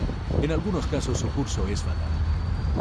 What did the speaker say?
En algunos casos su curso es fatal.